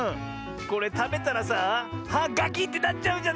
これたべたらさあはガキッてなっちゃうんじゃないのこれ！